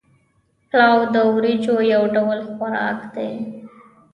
پلاو د وریجو یو ډول خوراک دی